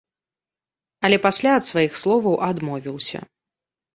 Але пасля ад сваіх словаў адмовіўся.